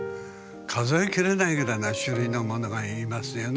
数えきれないぐらいな種類のものがいますよね。